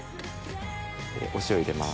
お塩入れます。